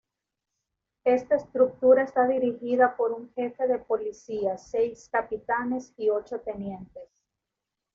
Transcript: Esta estructura está dirigida por un jefe de policía, seis capitanes, y ocho tenientes.